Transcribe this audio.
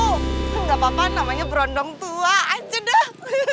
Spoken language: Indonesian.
tidak apa apa namanya berondong tua aja deh